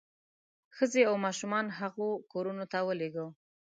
ښځې او ماشومان هغو کورونو ته ولېږو.